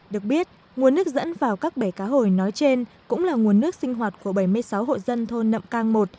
được biết nguồn nước dẫn vào các bể cá hồi nói trên cũng là nguồn nước sinh hoạt của bảy mươi sáu hộ dân thôn nậm cang một